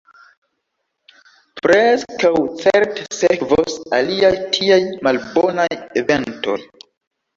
Preskaŭ certe sekvos aliaj tiaj malbonaj eventoj.